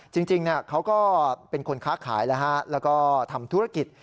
จริงเขาก็เป็นคนค้าขายแล้วก็ทำธุรกิจ